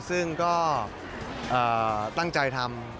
ซึ่งก็ตั้งใจทำ